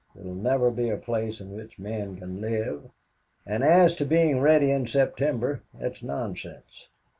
It will never be a place in which men can live. And as to being ready in September, that is nonsense."